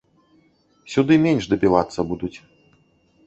Сюды менш дабівацца будуць.